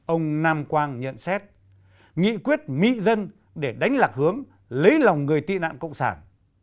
ông nam quang nhận xét nghị quyết mỹ dân để đánh lạc hướng lấy lòng người tị nạn cộng sản